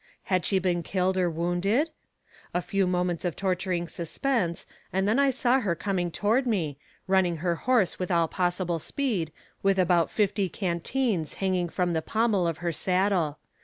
Had she been killed or wounded? A few moments of torturing suspense and then I saw her coming toward me, running her horse with all possible speed, with about fifty canteens hanging from the pommel of her saddle.